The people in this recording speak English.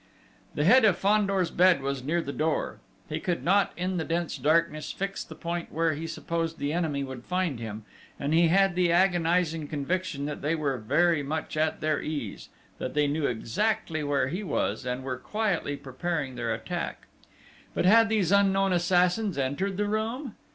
The head of Fandor's bed was near the door. He could not, in the dense darkness, fix the point where he supposed the enemy would find him, and he had the agonising conviction that they were very much at their ease that they knew exactly where he was, and were quietly preparing their attack. But had these unknown assassins entered the room?...